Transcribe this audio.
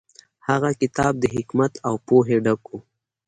هغه کتاب د حکمت او پوهې ډک و.